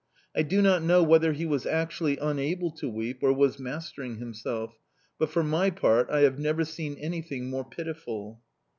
I do not know whether he was actually unable to weep or was mastering himself; but for my part I have never seen anything more pitiful.